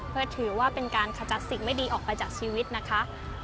เพื่อถือว่าเป็นการขจัดสิ่งไม่ดีออกไปจากชีวิตนะคะ